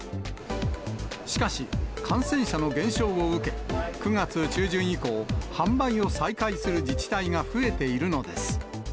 しかし、感染者の減少を受け、９月中旬以降、販売を再開する自治体が増えているのです。